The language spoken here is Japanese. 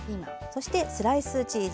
そしてスライスチーズ。